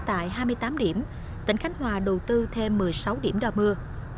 tại hai mươi tám điểm tỉnh khánh hòa đầu tư thêm một mươi sáu điểm đo mưa